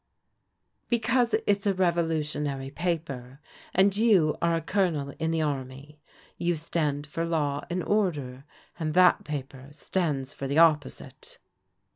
"Because it's a Revolutionary paper, and you are a Colonel in the army. You stand for law and order, and that paper stands for the opposite."